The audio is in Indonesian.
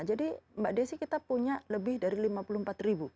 jadi mbak desi kita punya lebih dari lima puluh empat ribu